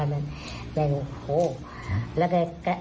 มึง